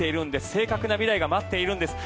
正確な未来が待っているんです。